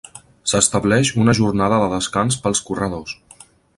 S'estableix una jornada de descans pels corredors.